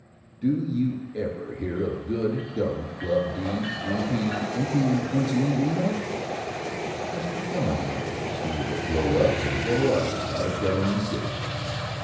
Do you ever hear of Good Government Club D and P and Q and Z any more? What's become of the infants who were to grow up and show us how to govern the city?